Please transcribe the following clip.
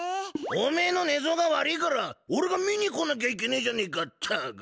おめえの寝相が悪いからおれが見に来なきゃいけねえじゃねえかったく。